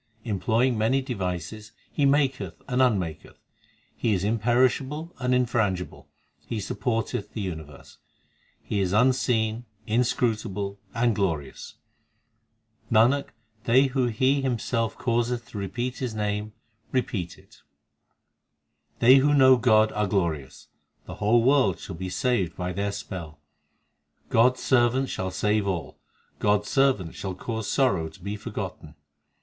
Employing many devices He maketh and unmaketh. He is imperishable and infrangible ; He supporteth the universe ; He is unseen, inscrutable, and glorious. Nanak, they whom He Himself causeth to repeat His name repeat it. 7 They who know God are glorious ; The whole world shall be saved by their spell. God s servants shall save all : God s servants shall cause sorrow to be forgotten.